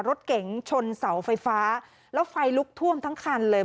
รถเก๋งชนเสาไฟฟ้าแล้วไฟลุกท่วมทั้งคันเลย